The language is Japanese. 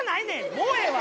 もうええわ。